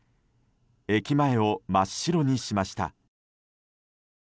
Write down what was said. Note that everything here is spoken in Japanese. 駅前を真っ白にしました。